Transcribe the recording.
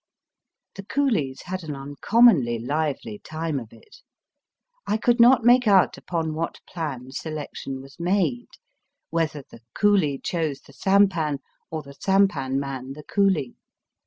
The coolies had an uncommonly lively time of it. I could not make out upon what plan selection was made, whether the cooKe chose the sampan or the sampan man the coolie.